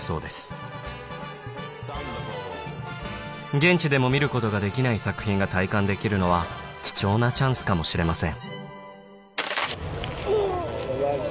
現地でも見ることができない作品が体感できるのは貴重なチャンスかもしれません